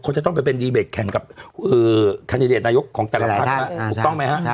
เขาจะต้องไปเป็นดีเบตแข่งกับคันดิเดตนายกของแต่ละพักถูกต้องไหมฮะ